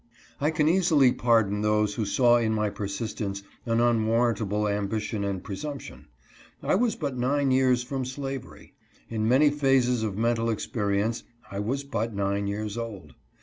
I can easily pardon those who saw in my persistence an unwarrantable ambition and presumption. I was but nine years from slavery. In many phases of mental ex perience I was but nine years old.